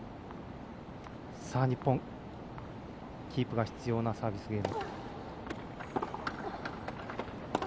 日本、キープが必要なサービスゲーム。